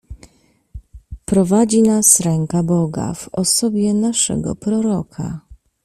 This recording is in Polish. "Prowadzi nas ręka Boga, w osobie naszego Proroka."